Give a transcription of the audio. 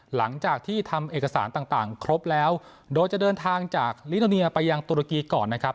หลังจากที่ทำเอกสารต่างครบแล้วโดยจะเดินทางจากลิโนเนียไปยังตุรกีก่อนนะครับ